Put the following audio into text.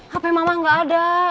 hp mama gak ada